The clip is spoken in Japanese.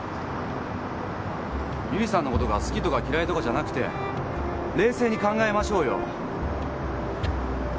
由里さんのことが好きとか嫌いとかじゃなくて冷静に考えましょうよ。